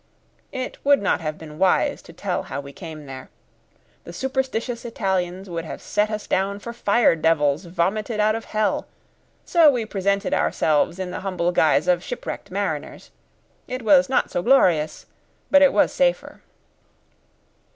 It would not have been wise to tell how we came there. The superstitious Italians would have set us down for fire devils vomited out of hell; so we presented ourselves in the humble guise of shipwrecked mariners. It was not so glorious, but it was safer.